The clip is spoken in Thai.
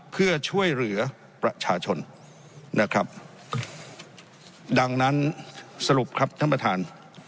เพื่อช่วยเหลือประชาชนนะครับดังนั้นสรุปครับท่านประธาน